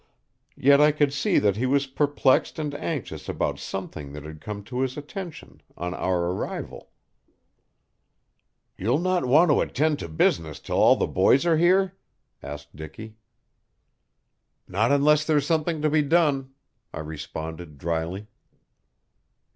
Yet I could see that he was perplexed and anxious about something that had come to his attention on our arrival. "You'll not want to attend to business till all the boys are here?" asked Dicky. "Not unless there's something to be done," I responded dryly.